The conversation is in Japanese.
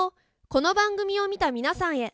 この番組を見た皆さんへ。